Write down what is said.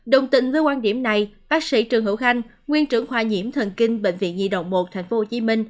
đồng tình với quan điểm này bác sĩ trần hữu khanh nguyên trưởng khoa nhiễm thần kinh bệnh viện nhi đồng một tp hcm